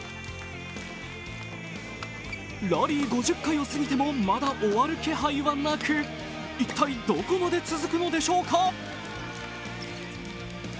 ラリー５０回を過ぎても、まだ終わる気配はなく一体どこまで続くのでしょうか？